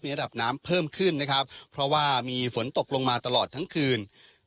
ระดับน้ำเพิ่มขึ้นนะครับเพราะว่ามีฝนตกลงมาตลอดทั้งคืน